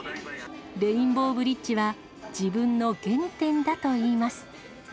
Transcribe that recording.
レインボーブリッジは、自分の原点だといいます。